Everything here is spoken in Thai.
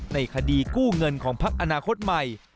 ในคดีกู้เงินของพักอนาคตใหม่